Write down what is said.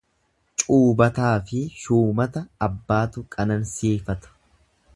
Cuubataafi shuumata abbaatu qanansiifata.